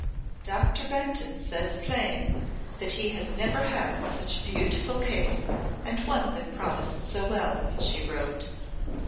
"Doctor Benton says plain that he has never had such a beautiful case and one that promised so well," she wrote.